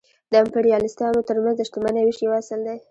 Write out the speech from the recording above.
د امپریالیستانو ترمنځ د شتمنۍ وېش یو اصل دی